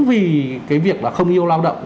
vì cái việc là không yêu lao động